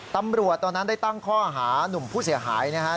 ตำรวจตอนนั้นได้ตั้งข้อหานุ่มผู้เสียหายนะครับ